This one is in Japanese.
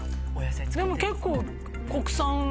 でも結構。